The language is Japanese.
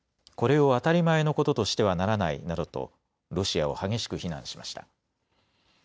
これを当たり前のこととしてはならないなどとロシアを激しく非難しました。